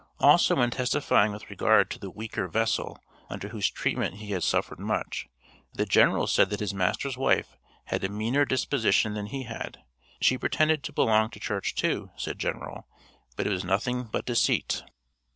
Also when testifying with regard to the "weaker vessel," under whose treatment he had suffered much, the General said that his master's wife had a meaner disposition than he had; she pretended to belong to church too, said General, but it was nothing but deceit.